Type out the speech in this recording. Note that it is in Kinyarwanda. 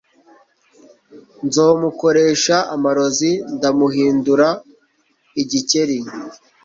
Nzomukoresha amarozi ndamuhindura igikeri.